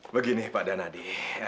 begini pak danadi